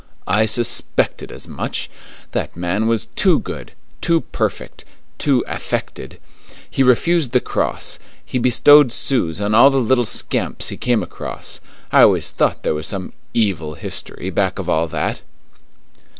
I suspected as much. That man was too good, too perfect, too affected. He refused the cross; he bestowed sous on all the little scamps he came across. I always thought there was some evil history back of all that."